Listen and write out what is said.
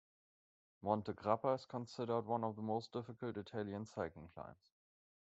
Monte Grappa is considered one of the most difficult Italian cycling climbs.